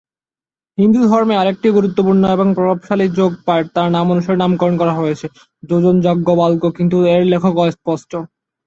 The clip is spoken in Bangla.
হিন্দু ধর্মে আরেকটি গুরুত্বপূর্ণ এবং প্রভাবশালী যোগ পাঠ্য তার নাম অনুসারে নামকরণ করা হয়েছে, যোজন যাজ্ঞবল্ক্য, কিন্তু এর লেখক অস্পষ্ট।